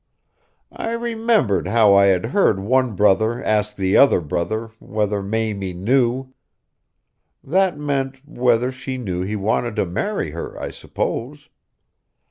I remembered how I had heard one brother ask the other whether Mamie knew. That meant, whether she knew he wanted to marry her, I suppose.